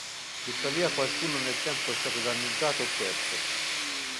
Tuttavia qualcuno nel tempo è stato danneggiato o perso.